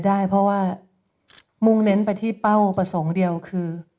ได้เพราะว่ามุ่งเน้นไปที่เป้าประสงค์เดียวคือ